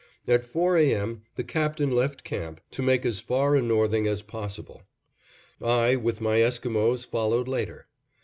At four A. M., the Captain left camp to make as far a northing as possible. I with my Esquimos followed later.